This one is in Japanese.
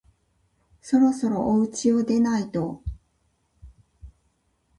そろそろおうちを出ないと